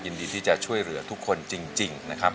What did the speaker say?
ยินดีที่จะช่วยเหลือทุกคนจริงนะครับ